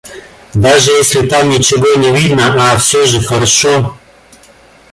Даже если там ничего не видно, а всё же хорошо.